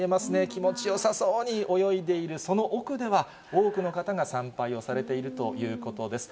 気持ちよさそうに泳いでいるその奥では、多くの方が参拝をされているということです。